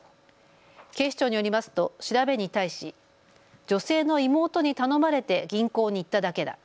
警視庁によりますと調べに対し女性の妹に頼まれて銀行に行っただけだ。